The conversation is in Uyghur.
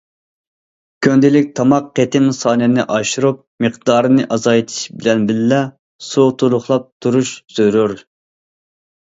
كۈندىلىك تاماق قېتىم سانىنى ئاشۇرۇپ، مىقدارىنى ئازايتىش بىلەن بىللە، سۇ تولۇقلاپ تۇرۇش زۆرۈر.